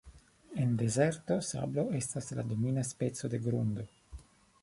En dezerto, sablo estas la domina speco de grundo.